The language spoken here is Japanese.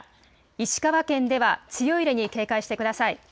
石川県では強い揺れに警戒してください。